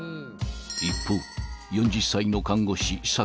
［一方４０歳の看護師さきさん］